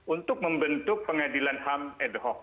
untuk membentuk pengadilan ham ad hoc